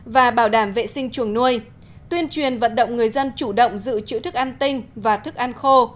và bảo đảm vệ sinh chuồng nuôi tuyên truyền vận động người dân chủ động giữ chữ thức ăn tinh và thức ăn khô